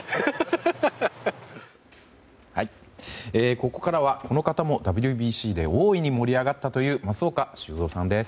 ここからはこの方もＷＢＣで大いに盛り上がったという松岡修造さんです。